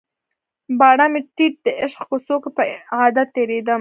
باڼه مې ټیټ د عشق کوڅو کې په عادت تیریدم